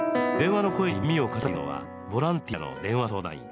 電話の声に耳を傾けているのはボランティアの電話相談員。